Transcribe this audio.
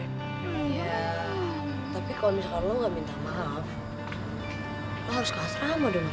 ya tapi kalo misalnya lu gak minta maaf lu harus ke asrama dong ya